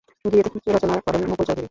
গীত রচনা করেন মুকুল চৌধুরী।